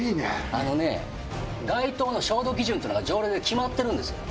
あのね、街灯を照度基準っていうのが、条例で決まってるんですよ。